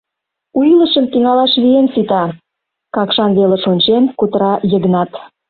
У илышым тӱҥалаш вием сита, — Какшан велыш ончен кутыра Йыгнат.